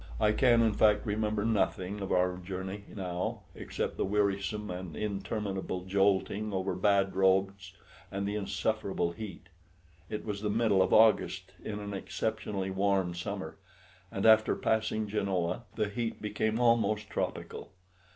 I can, in fact, remember nothing of our journey now, except the wearisome and interminable jolting over bad roads and the insufferable heat. It was the middle of August in an exceptionally warm summer, and after passing Genoa the heat became almost tropical.